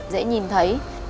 dễ nhìn thấy